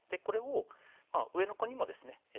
これを上の子にもですね